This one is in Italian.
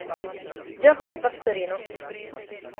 Giacomo Pastorino